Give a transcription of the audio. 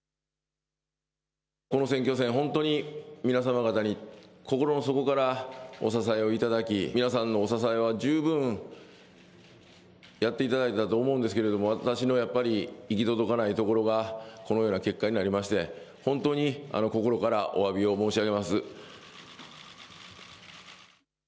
この選挙戦、本当に皆様方に心の底からお支えをいただき皆さんのお支えは十分、やっていただいたと思うんですけれども私の行き届かないところがこのような結果になりまして本当に心からおわびを申し上げます。